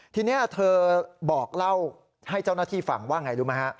ทีนี้เธอบอกเล่าให้เจ้าหน้าที่ฟังว่าไงรู้ไหมฮะ